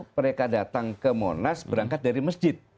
mereka datang ke monas berangkat dari masjid